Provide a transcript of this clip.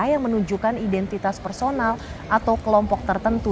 yang menunjukkan identitas personal atau kelompok tertentu